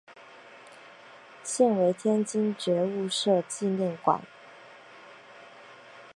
现为天津觉悟社纪念馆。